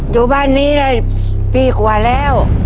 อยู่บ้านนี้ได้ปีกว่าแล้ว